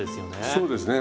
そうですね。